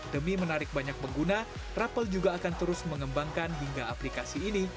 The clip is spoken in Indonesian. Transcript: demi menarik banyak pengguna rapel juga akan terus mengembangkan hingga aplikasi ini